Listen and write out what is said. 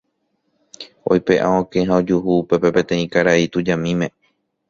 Oipe'a okẽ ha ojuhu upépe peteĩ karai tujamíme.